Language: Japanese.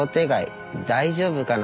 大丈夫かな？